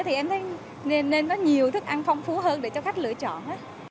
thì em thấy nên có nhiều thức ăn phong phú hơn để cho khách lựa chọn hết